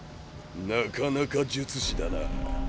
なかなか術師だな。